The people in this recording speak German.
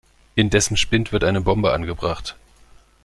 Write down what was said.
In dessen Spind wird eine Bombe angebracht.